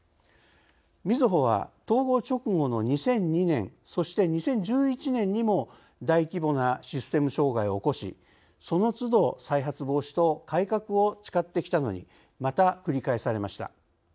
みずほは統合直後の２００２年そして２０１１年にも大規模なシステム障害を起こしそのつど再発防止と改革を誓ってきたのにまた繰り返されました。